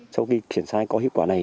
sau khi kiểm tra có hiệu quả này